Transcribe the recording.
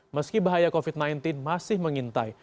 meski bahaya covid sembilan belas masih mengintai